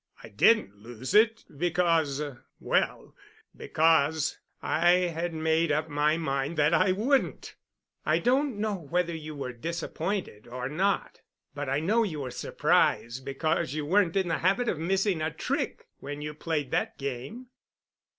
I didn't lose it, because—well, because I had made up my mind that I wouldn't. I don't know whether you were disappointed or not, but I know you were surprised, because you weren't in the habit of missing a trick when you played that game."